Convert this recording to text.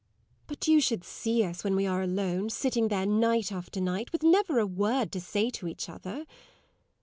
But you should see us when we are alone, sitting there night after night, with never a word to say to each other!